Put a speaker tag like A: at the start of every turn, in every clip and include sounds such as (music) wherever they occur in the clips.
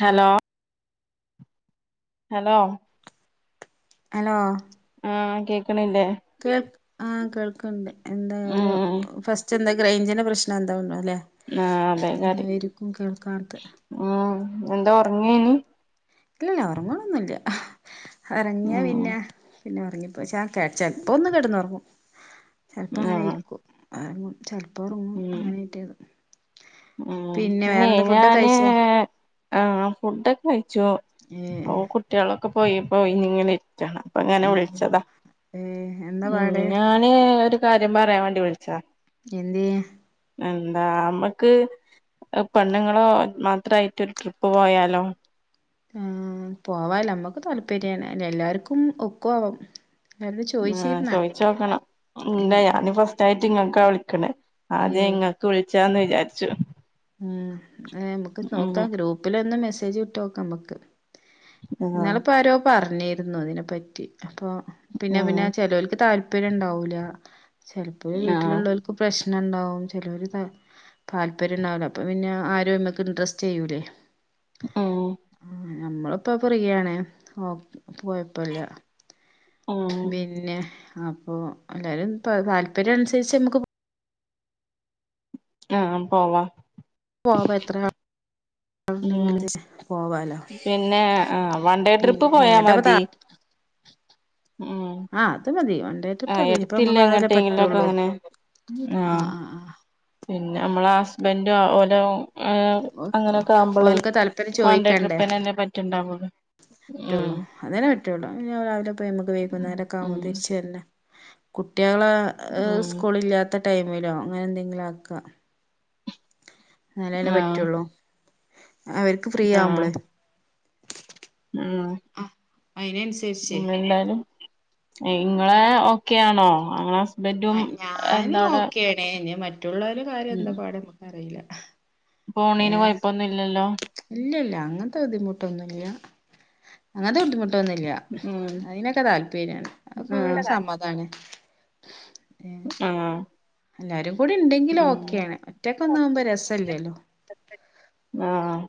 A: Hello hello
B: hello
A: ആ കേക്കണില്ലേ
B: കേൾ ആ കേൾക്കുണ്ട്. എന്താ ഒരു
A: ഉം
B: ഫസ്റ്റ് എന്തേ റേഞ്ചിന്റെ പ്രശ്നം എന്തോ ഉള്ളേ അല്ലെ
A: ആഹ് അതെ കാര്യം
B: അതായിരിക്കും കേൾക്കാത്തെ.
A: ഉം എന്താ ഉറങ്ങിയനി.
B: ഇല്ലല്ല ഉറങ്ങണൊന്നുമല്ല. ഇറങ്ങിയാ
A: ഉം
B: പിന്നെ പിന്നെ ഉറങ്ങിപ്പോയി ഷ ക്ക ചെൽപ്പൊന്ന് കെടന്നുറങ്ങും. ചെൽപ്പ അങ്ങനെ
A: ആഹ്
B: ഇര്ക്കും. (unintelligible) ചെൽപ്പം ഒർങ്ങും
A: ഉം
B: അങ്ങനെ കിട്ട്യത്.
A: ഉം പിന്നേ ഞാന്
B: കഴിച്ചോ
A: ആ ഫുഡൊ കഴി ച്ചു.
B: ഏ
A: ഓഹ് കുട്ടിയേളൊ ക്കെ പോയപ്പൊ ഒയിഞ്ഞിങ്ങനെ (unintelligible) അപ്പ
B: ആ
A: ഇങ്ങനെ വിൾച്ചതാ
B: ഏ എന്താ
A: ഉം
B: പാട്
A: ഞാന് ഒരു കാര്യം പറയാൻ വേണ്ടി വിൾച്ചതാ.
B: എന്ത്യേ?
A: എന്താ മ്മ ക്ക് പെണ്ണുങ്ങളോ മാത്രായിട്ടൊര് ട്രിപ്പ് പോയാലോ?
B: ആഹ് പോവാലൊ നമ്മക്ക് താല്പര്യന്നെ എല്ലാർക്കും ഒക്കോ ആവം.
A: ആഹ് ചോയിച്ചോക്കണം. ഇല്ല
B: ഏഹ്
A: ഞാന് ഫസ്റ്റ് ആയി റ്റ്ങ്ങൾക്കാ വിളിക്ക്ണ. അതെ
B: ഏഹ്
A: ഇങ്ങക്ക് വിൾ ച്ചാന്ന് വിചാര്ച്ചു.
B: ഊം ഏഹ് മ്മക്ക് നോക്കാ. ഗ്രൂപ്പിലെന്നും മെ സേജ് വിട്ടോക്ക മ്മക്ക്.
A: ആഹ്
B: ന്നാള്പ്പാരോ പ്പർഞ് ഞ്ഞിര്ന്നു തിനെപ്പറ്റി അപ്പോ പിന്നെ പിന്നെ
A: ഉം
B: ചെലോൽക്ക് താൽ പ്പര്യണ്ടാവൂല ചെൽപ്പോ ഈ
A: ആഹ്
B: വീട്ടിലുള്ളോല്ക്ക് പ്രശ് നണ്ടാവും ചെലോല് താല് താല്പര്യണ്ടാവൂല്ല അപ്പ പിന്നെ ആരും അയ്മ്മക്ക് ഇൻട്രസ്റ്റ് ചെയ്യൂലല്ലോ
A: ആഹ്
B: നമ്മളിപ്പ ഫ്രീയാണ് ഓ കൊയപ്പല്ല
A: ഉം
B: പിന്നെ അപ്പൊ എല്ലാരും താല്പര്യനുസരിച്ച് നമുക്ക്
A: ആ പോവാ
B: പോവാ
A: ഉം
B: എത്രള്ണ്ടെങ്കിലും പോവാലോ
A: പിന്നെ ആഹ് വൺ ഡേ ട്രിപ്പ്
B: പിന്നെ
A: പോയാ
B: എങ്ങട്ടപ്പ
A: മതി
B: ത
A: ഉം
B: ആഹ അത് മതി വൺ ണ്ടേ ട്രിപ്പ്
A: ആഹ്
B: മതി ഇപ്പ
A: എടുത്തില്ല
B: നമ്മുക്ക് അതല്ലേ
A: എങ്ങട്ടെങ്കിലൊക്കെ
B: പറ്റുള്ളൂ
A: അങ്ങനെ
B: ആഹ
A: ആഹ്
B: ആഹ ആ
A: പിന്നെ നമ്മളെ ഹസ്ബൻഡും ഓലോ
B: ഓൽക്ക് (unintelligible)
A: വൺ ഡേ
B: ചോയ്ക്കണ്ടേ
A: ട്രിപ്പിനല്ലേ പറ്റ്ണ്ടാവുള്ളു ഉം
B: റ്റുള്ളൂ അതെന്നെ പറ്റൊള്ളൂ രാവിലെ പോയി നമുക്ക്
A: ഉം
B: വൈക്കുന്നേരൊക്കാവുമ്പോ
A: ഉം
B: തിരിച്ചു വെര്ണ്ടെ കു കുട്ടികളെ
A: ഉം
B: സ്കൂളില്ലാത്ത ടൈമിലോ അങ്ങനെ എന്തെങ്കിലും ആക്ക അങ്ങനല്ലേ
A: ആഹ്
B: പറ്റുള്ളൂ അവർക്ക് ഫ്രീ
A: ആഹ്
B: ആവുമ്പൊളെ അതിനനുസരിച്ച്
A: ഉം എന്തായാലും ഇങ്ങളെ ഓക്കെയാണോ അങ്ങ
B: ആ ഞാന് ഓക്കെയണേ മറ്റ മറ്റുള്ളവര കാര്യം എന്താ പാട് എന്നറിയില്ല ഹ
A: ഫോണിന് കുഴപ്പൊന്നും ഇല്ലല്ലോ
B: ഇല്ലില്ല അങ്ങനത്തെ ബുദ്ധിമുട്ടൊന്നുമില്ല അങ്ങനത്തെ ബുദ്ധിമുട്ട് ട്ടൊന്നില്ല
A: ഉം
B: അതിനൊക്കെ താല്പര്യാണ് അപ്പോ
A: ഉം
B: സമ്മതാണ് ഏഹ്
A: ആഹ്
B: എല്ലാരും കൂടി ഉണ്ടെങ്കില്
A: ഉം
B: ഓക്കെണ്. ഒറ്റക്കൊന്നാവുമ്പോ രസല്ലല്ലോ.
A: ആഹ്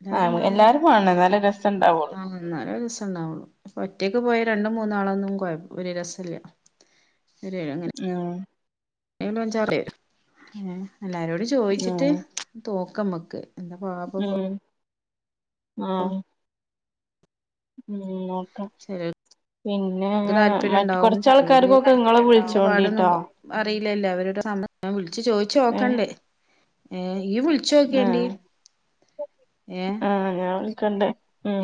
B: എല്ലാരും
A: ആഹ്
B: ഉണ്ടാവുമ്പോ
A: എല്ലാരും വാണം ഇന്നാലാ രസം ഇണ്ടാവുള്ളു.
B: സണ്ടാവുള്ളൂ ഇപ്പൊ ഒറ്റക്ക് പോയ രണ്ടും മൂന്നും ആളൊന്നും കൊയ് വല്യ രസല്ല. ഒരു എങ്ങനെലും
A: ആഹ്
B: (unintelligible) അഞ്ചാറ് പേര് ഹേ എല്ലാരോടും
A: ഉം
B: ചോദിച്ചിട്ട് തോ ക്ക മ്മക്ക് എന്നെ വാപ്പ പൊ
A: ഉം ആഹ് ഉം ന്നൊ ക്ക.
B: ചെലോർക്ക്
A: പിന്നെ
B: താല്പര്യം
A: മറ്റ്
B: ഇണ്ടാവും ചെലോര്
A: കുറച്ചാൾക്കാർക്കൊക്കെ ഇങ്ങള് വിൾച്ചോണ്ടിട്ടോ.
B: ല്ലല്ല അവരുടെ സാ ഞാൻ വിളിച്ചു
A: ഏഹ്
B: ചോയിച്ചോക്കണ്ട്. ഏഹ് ഈ വിളിച്ചോക്ക്യേണ്ടി
A: ആഹ്
B: ഏഹ്
A: ക്കണ്ട്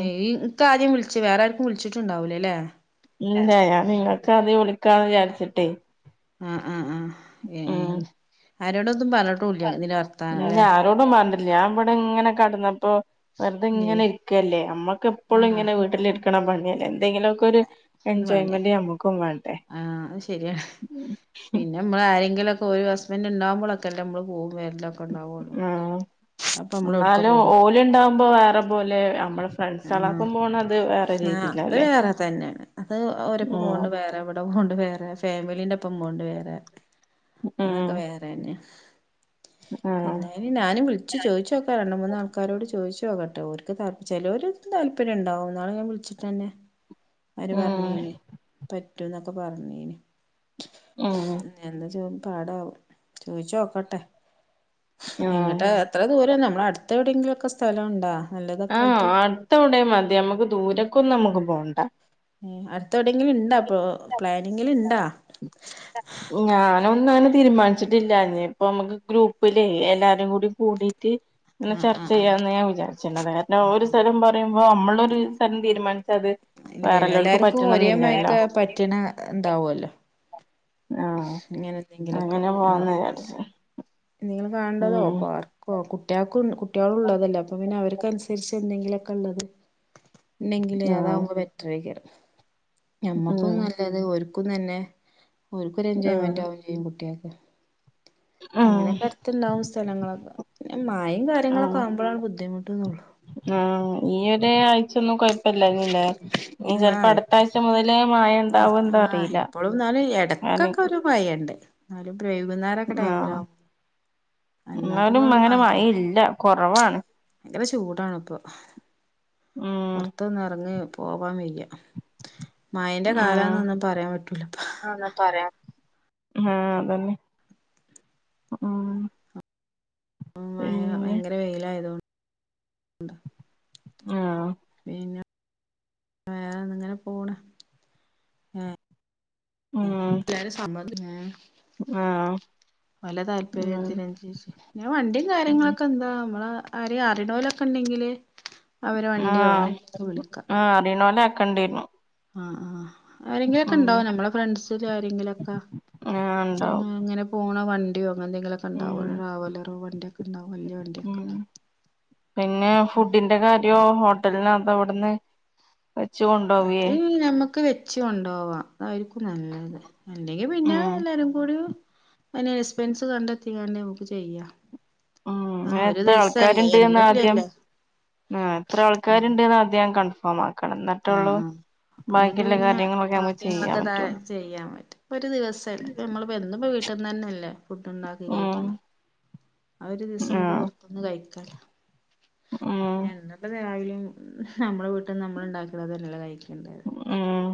B: ഏയ് ക്കാരേം വിളച്ച് വേറെ ആർക്കും വിളിച്ചിട്ടുണ്ടാവുലല്ലേ
A: ഇല്ല ഞാൻ ഞാൻ നിങ്ങക്ക് ആദ്യം വിളിക്കാന്ന് വിചാരിച്ചിട്ടേ
B: ആ ആ ആഹ്
A: ഉം
B: ഏഹ് ആരോടൊ അന്നും പറഞ്ഞിട്ടൂല്ല്യ ഇതില വർത്താനം അല്ലെ
A: പിന്നെ ആരോടും പറഞ്ഞില്ല ഞാൻ ഇവിടിങ്ങനെ കടന്നപ്പോ വെറുതെ ഇങ്ങനെ
B: ഏഹ്
A: ഇരിക്കല്ലേ മ്മക്ക് എപ്പളും
B: ആഹ്
A: ഇങ്ങനെ വീട്ടിലി (unintelligible) ഞാൻ പറഞ്ഞില്ലേ എന്തെങ്കിലോക്കൊരു
B: ഒന്നും വേണ്ട
A: എൻജോയ്മെന്റ് ഞമ്മക്കും വേണ്ടെ
B: ആഹ് അത് ശരിയാണ് പിന്നെ നമ്മള് ആരെങ്കിലൊക്കെ ഒരു ഹസ്ബന്റ് ഇണ്ടാവുമ്പൊളൊക്കെല്ലെ മ്മള് പോവു
A: ഉം
B: അപ്പൊ നമ്മള് എവ്ട്ക്കാ
A: എന്നാലും
B: പോണ്
A: ഓലുണ്ടാവുമ്പോ വേറെ പോലെ മ്മടെ
B: ആ ആ അത്
A: രീതിയിലല്ലേ
B: വേറെ തന്നെണ് അത് ഓരപ്പ പോകണ്ട്
A: ഉം
B: വേറെ എവിടെ പോണ്ട് വേറെ ഫേ മിലിന്റെപ്പം പോണ്ട് വേറെ ആ അതൊക്കെ
A: ഉം
B: വേറെ തന്നെയാ
A: ആഹ്
B: എന്തായാലും ഞാനും വിളിച്ചു ചോദിച്ചോക്കാം രണ്ട് മൂന്നാൾക്കാരോട് ചോദിച്ചു കേട്ടോഓർക്ക് ത ചെലോര് താല്പര്യം ഉണ്ടാവുംന്നാളെ ഞാൻ വിളിച്ചിട്ട് തന്നെ ആര്
A: ഉം
B: പറഞ്ഞീന് പ പറ്റൂന്നൊക്കെ പറഞ്ഞ
A: ഉം
B: എന്താ ചോ പാടാവും ചോദിച്ച് നോക്കട്ടെ
A: ആഹ്
B: എങ്ങിട്ട് എത്ര ദൂരം നമ്മളടുത്ത് എവിടെങ്കിലും ക്കെ സ്ഥലോണ്ടാ നല്ലതൊക്കായിട്ട്
A: വിടെ മതി നമുക്ക് ദൂരെക്കൊന്നും നമുക്ക് പോണ്ട
B: അടുത്തെ എവിടെങ്കിലും ഇണ്ടാ ഇപ്പൊ പ്ലാനിങ്ങില ഇണ്ടാ
A: ങ്ങന ഒന്നും തീരുമാനിച്ചിട്ടില്ല ഇനി ഇപ്പ നമക്ക് ഗ്രൂപ്പിലേ എല്ലാരും കൂടി കൂടീട്ട് ഇങ്ങനെ
B: ആഹ്
A: ചർച്ച
B: ആഹ് ആഹ്
A: ചെയ്യാന്ന് ഞാൻ വിചാരി (unintelligible) ഒര് സ്ഥലം പറയും മ്പോ നമ്മളൊര് സ്ഥലം തീരുമാനി
B: ഇല്ലല്ല എല്ലാർക്കു ഒരേ മായ്ര്ക്ക് പറ്റ്ണ ഇണ്ടാവല്ലോ.
A: ആഹ്
B: ഇങ്ങനെ എന്തെങ്കിലൊക്കെ
A: അങ്ങനെ പോവാന്ന് വിചാരിച്ച്
B: നിങ്ങള് കാണ്ടതോ
A: ഉം
B: പാർക്കോ കുട്ട് ട്ട്യാക്കു കുട്ട്യാൾ ഒള്ളതാല്ലെ അപ്പം പിന്നെ അവർക്കനുസരി എന്തെങ്കിലൊക്കെള്ളത് ഒണ്ടെങ്കില്
A: ആഹ്
B: അതാവുമ്പോ ബെറ്റ് (unintelligible) ഞമ്മക്കും
A: ഉം
B: നല്ലത് ഒര് ക്കുന്ന് എന്നെ ഒര്ക്കൊര്
A: ഉം
B: എൻജോയ്മെൻ്റകും ചെയ്യും കുട്ടികക്ക്
A: ഉം
B: അങ്ങനെക്കെ അടുത്ത്ണ്ടാവും സ്ഥലങ്ങളൊക്കെ പിന്നെ മഴെയും കാര്യങ്ങളൊക്കെ
A: ആഹ്
B: ആവ്മ്പളാണ് ബുദ്ധിമുട്ടന്നോള്ളു
A: (unintelligible) കൊയ്പ്പില്ലരുന്നില്ലെ ന്നി ചെൽപ്പോ അടുത്താഴ്ച മൊതല്
B: ആഹ് ആഹ് ഇപ്പളും ന്നാന്
A: ഞാന്
B: എടക്കക്കൊര് മയണ്ട് ന്നാലും
A: ആഹ് ന്നാലും
B: അല്ലാത്തപ്പോഴൊന്നും
A: അങ്ങനെ മഴ ഇല്ലാ കൊറവാണ്
B: ഭയങ്കാര ചൂടാണിപ്പേ
A: ഉം
B: പൊറത്തൊന്ന് എറങ്ങേ പോവാൻ വയ്യാ. മയന്റെ
A: ഉം
B: കാലാന്നൊന്നും പറയാൻ പറ്റൂല്ലാ ഇപ്പോ.
A: ആന്ന് പറയാം ആഹ് അതന്നെ ഉഉം
B: ഉം മഴ ഭയങ്കര വെയിലായതോ ണ്ട.
A: ആഹ്
B: പിന്നെ വേറെ ഇങ്ങനെ പോണ്
A: ഉം
B: പിന്നേ
A: ആഹ്
B: ഓല
A: ഉം
B: താല്പര്യത്തിനൻസരിച്ച് ന്നെ വണ്ടിം
A: ഉം
B: കാര്യങ്ങളൊക്കെ എന്താ നമ്മള ആരേ അറിണോലൊക്കെ ണ്ടെങ്കില് അവരെ വണ്ടിയോ ന്തെങ്കിലൊക്കെ വിളിക്കാ.
A: കണ്ടീര്ന്നു.
B: ആഹ് ആഹ് ആരെങ്കിലും ഒക്കെ ഉണ്ടാവും ഞമ്മളെ ഫ്രണ്ട്സില് ആരെങ്കിലും ഒക്ക
A: ആഹ്
B: പിന്നെ
A: ഇണ്ടാവും
B: എങ്ങനെ പോണ് വ ണ്ട്യോ ങ്ങ എന്തെങ്കിലൊക്കെ ഉണ്ടാവോ
A: ഉം
B: ഒര് രാവലറോ വണ്ടിയൊക്കെ ണ്ടാവും. വല്യ വണ്ടിയൊക്കെ.
A: ഉം
B: ഉം
A: ഹോട്ടൽന്നെന്താവ്ട്ന്ന്
B: അത് ഞമ്മക്ക് വെച്ച് കൊണ്ടോവാ ആയിരിക്കും നല്ലത് ല്ലെങ്കി പിന്നെ
A: ഉം
B: എല്ലാരും കൂടീം അയ്ന് എസ്പെൻസ് വാണ്ടേ (unintelligible) ഓക്ക് ചെയ്യാ
A: ഉം എത്ര ആൾക്കാര്ണ്ട്ന്ന് ആദ്യം
B: എന്നുല്ലല്ലോ
A: ആ എത്ര
B: ആഹ്
A: ആൾക്കാരുണ്ട്ന്ന് ആദ്യം കണ്ട (unintelligible)
B: ആഹ് ആഹ് ന്നിട്ട് പിന്നെ
A: കാര്യങ്ങളൊക്കെ നമുക്ക് ചെയ്യാൻ പറ്റുള്ളൂ
B: (unintelligible) ചെയ്യാൻ പറ്റും ഒരു ദിവസല്ലേ നമ്മള്പ്പെന്നും വീ ട്ട്ന്നെന്നെല്ല ഫുഡ് ണ്ടാക്കി
A: ഉം
B: കഴിക്കണെ ആ ഒരു ദിവസം നമുക്ക്
A: ആഹ്
B: പൊർത്ത്ന്ന് കയ്ക്കാലോ
A: ഉം
B: (unintelligible) നമ്മളെ വീ ട്ട്ന്ന് നമ്മള് ണ്ടാക്ക (unintelligible) അതന്നല്ലേ കയ്ക്കണ്ടേ
A: ഉം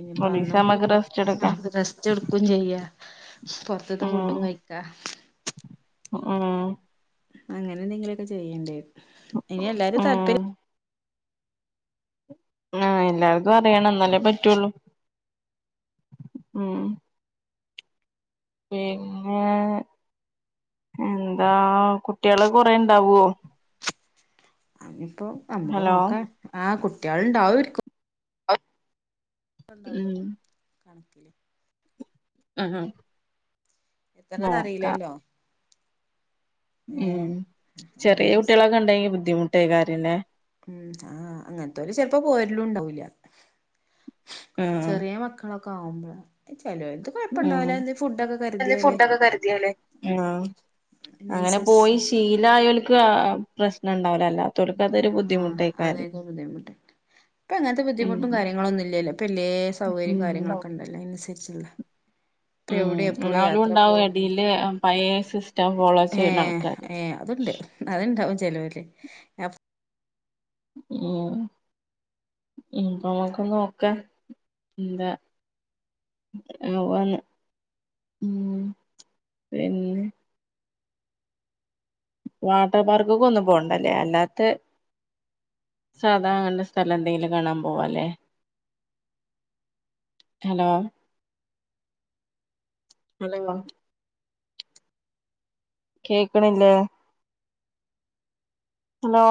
B: ഇനിപ്പ
A: ഒരീസം
B: അന്നും
A: നമ്മക്ക്
B: കൂടിപ്പം
A: റെസ്റ്റ് എടുക്കാം
B: റെസ്റ്റ് ട്ക്കും ചെയ്യ (inaudible) പുറത്തെ
A: ഉം
B: ഫുഡും കഴിക്കാ.
A: ഉം
B: അങ്ങനെ എന്തെങ്കിലുമൊക്കെ ചെയ്യണ്ടേ. ഇനി എല്ലാരും
A: ഉം
B: താല്പര്യം.
A: ആഹ് എല്ലായിടത്തും അറിയണം എന്നാലേ പറ്റൂള്ള ഉം. പിന്നെ എന്താ കുട്ടികള് കൊറെ ഉണ്ടാവുവോ.
B: അത് ഇപ്പൊ നമുക്ക് നോക്കാം, ആ കു കുട്ടികൾ ഉണ്ടാവുമായിരിക്കും.
A: ഉം
B: ഉണ്ടാവുമല്ലോ കണക്കില്
A: ആഹ് ആഹ്
B: എത്രന്ന് അറിയില്ലല്ലോ. ഏ
A: ഉം
B: അയിന്
A: ചെറിയ കുട്ടികളൊക്കെ ഉണ്ടെങ്കിൽ ബു ബുദ്ധിമുട്ട് കാര്യം തന്നെ
B: ഉം ആഹ് അങ്ങൻത്തോര് ചെൽപ്പോ പോര്ലും ഉണ്ടാവുല്ല
A: ഉം
B: ചെറിയ മക്കളൊക് ക്കെ ആകുമ്പഴാ
A: ഉം എന്തെ
B: കരുതിയാല്
A: ഫുഡൊക്കെ കരുതിയല്ലേ ഉം ആ അങ്ങനെ പോയി
B: അതിനനുസരിച്ച്
A: ശീലായോൽക്ക് ആ പ്രശ്നംണ്ടാവ് ലൽ -
B: ഉം ല ആഅതായത് ബുദ്ധിമുട്ട് ഇപ്പൊ അങ്ങൻത്തെ
A: ഉം
B: ബുദ്ധിമുട്ടും കാര്യങ്ങളൊന്നു ഇല്ലല്ലോ ഇപ്പല്യേ സൗകര്യം
A: ഉം
B: കാര്യങ്ങളൊക്കെ ണ്ടല്ലോ അയിനനുസരിച്ചുള്ള ഇപ്പ
A: ഉം
B: എവിടെ എപ്പഴും
A: എന്നാലും
B: യാത്ര പോ
A: ഉണ്ടാവും എടീല് പഴയ സിസ്റ്റം ഫോളോ
B: ഏ
A: ചെയ്യണ ആൾക്കാര്
B: ഏ അതുണ്ട് അത്ണ്ടാഹ് ചലോ അല്ലേ
A: ഉം ഉം നമുക്കൊന്ന് നോക്ക്യ ന്താ (unintelligible) ഉം പിന്നെ വാട്ടർ പാർക്ക്ക്കെ ഒന്നും പോണ്ടല്ലേ അല്ലാത്ത സാധാനല്ല സ്ഥലംന്തെങ്കിലു കാണാൻ പോവല്ലേ ഹലോ അല്ലങ്കോ കേക്ണില്ലേ ഹലോ